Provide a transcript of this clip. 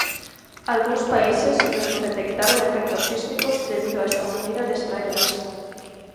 Algúns países mesmo detectaron efectos sísmicos debido a esta maneira de extraer gas.